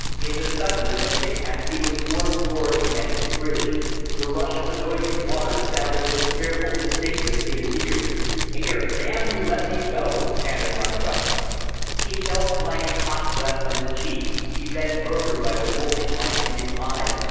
In the suddenness of the attack he was forced toward the edge of the bridge. The rush of the noisy waters sounded with fearful distinctness in his ears. "Here, damn you, let go!" panted Montgomery. [Illustration: "Here, let go!" panted Montgomery.] He felt Langham's hot breath on his cheek, he read murder by the wolfish light in his eyes.